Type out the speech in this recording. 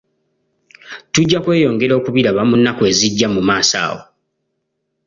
Tujja kweyongera okubiraba mu nnaku ezijja mu maaso awo.